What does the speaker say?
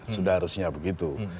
sudah harusnya begitu